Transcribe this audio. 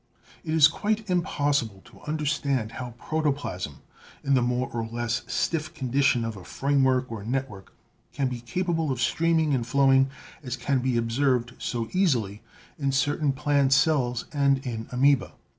It is quite impossible to understand how protoplasm in the more or less stiff condition of a framework or network can be capable of streaming and flowing as can be observed so easily in certain plant cells and in Amoeba.